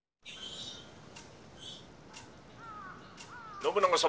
「信長様